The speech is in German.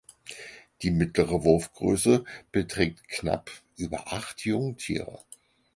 Die mittlere Wurfgröße beträgt knapp über acht Jungtiere.